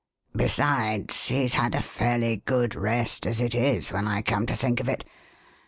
Besides, he's had a fairly good rest as it is, when I come to think of it.